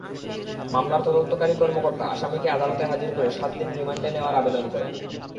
মামলার তদন্তকারী কর্মকর্তা আসামিকে আদালতে হাজির করে সাত দিন রিমান্ডে নেওয়ার আবেদন করেন।